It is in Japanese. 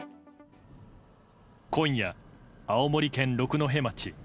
今夜、青森県六戸町。